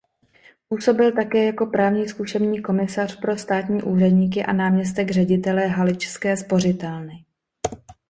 Působil také jako právní zkušební komisař pro státní úředníky a náměstek ředitele haličské spořitelny.